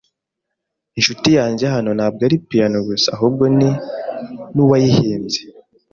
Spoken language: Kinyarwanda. Inshuti yanjye hano ntabwo ari piyano gusa, ahubwo ni nuwayihimbye.